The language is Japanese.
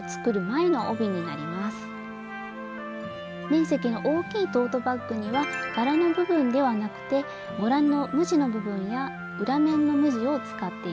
面積の大きいトートバッグには柄の部分ではなくてご覧の無地の部分や裏面の無地を使っています。